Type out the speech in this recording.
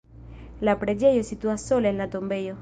La preĝejo situas sola en la tombejo.